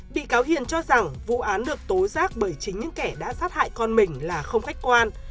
bị cáo hiền cho rằng vụ án được tố giác bởi chính những kẻ đã sát hại con mình là không khách quan